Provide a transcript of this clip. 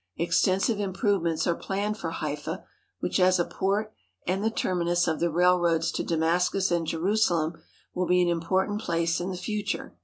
Extensive improvements are planned for Haifa, which as a port and the terminus of the railroads to Damascus and Jerusalem will be an important place in the future.